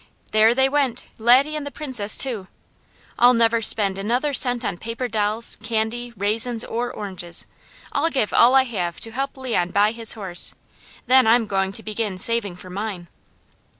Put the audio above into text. There they went! Laddie and the Princess too. I'll never spend another cent on paper dolls, candy, raisins, or oranges. I'll give all I have to help Leon buy his horse; then I'm going to begin saving for mine.